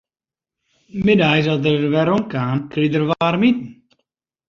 Middeis as er werom kaam, krige er waarmiten.